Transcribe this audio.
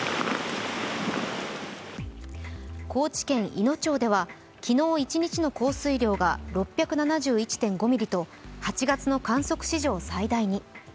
高知県いの町では昨日一日の降水量が６７１．５ミリと８月の観測史上最大に。